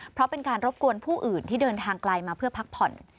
เพราะเป็นการรบกวนผู้อื่นที่เดินทางไกลมาเพื่อพักผ่อน